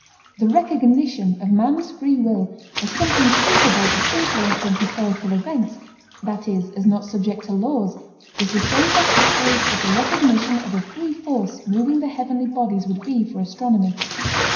The recognition of man's free will as something capable of influencing historical events, that is, as not subject to laws, is the same for history as the recognition of a free force moving the heavenly bodies would be for astronomy.